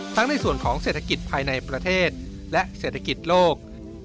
ในส่วนของเศรษฐกิจภายในประเทศและเศรษฐกิจโลก